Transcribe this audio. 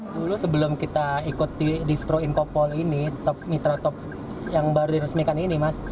dulu sebelum kita ikut di indokopolisian ini top mitra top yang baru diresmikan ini